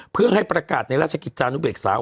เพื่อให้ประกาศในราชกิจธรรมนุษยศาสตร์